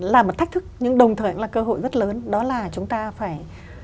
là một thách thức nhưng đồng thời cũng là cơ hội rất lớn đó là chúng ta phải